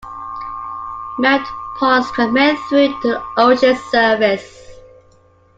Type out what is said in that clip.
Melt ponds can melt through to the ocean's surface.